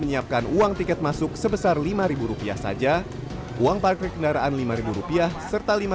menyiapkan uang tiket masuk sebesar lima rupiah saja uang parkir kendaraan lima rupiah serta lima